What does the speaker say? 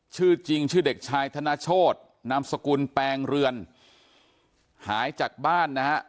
ชื่อจริงชื่อเด็กชายธนโชธนามสกุลแปลงเรือนหายจากบ้านนะฮะ